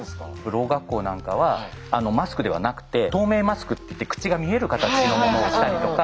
ろう学校なんかはマスクではなくて透明マスクっていって口が見える形のものをしたりとか。